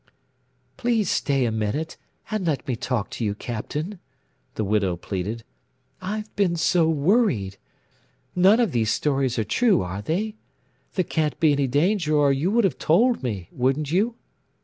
"Please stay a minute and let me talk to you, Captain," the widow pleaded. "I've been so worried. None of these stories are true, are they? There can't be any danger or you would have told me wouldn't you?"